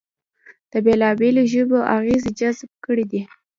د بېلابېلو ژبو اغېزې جذب کړې دي